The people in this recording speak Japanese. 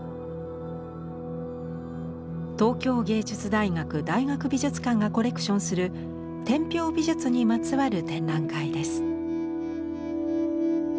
東京藝術大学大学美術館がコレクションする天平美術にまつわる展覧会です。